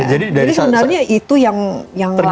jadi sebenarnya itu yang lamanya disitu ya